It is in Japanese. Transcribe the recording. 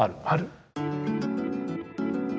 ある。